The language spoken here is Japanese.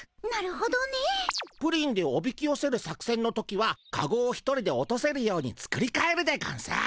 プリンでおびきよせる作せんの時はカゴを一人で落とせるように作りかえるでゴンス。